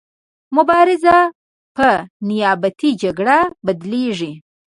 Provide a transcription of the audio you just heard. مبارزه په نیابتي جګړه بدلیږي.